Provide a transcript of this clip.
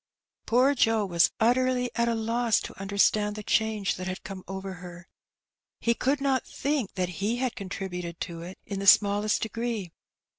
Poor Joe was utterly at a loss to understand the change that had come over her. He could not think that he had contributed to it in the smallest degree.